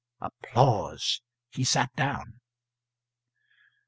He sat down.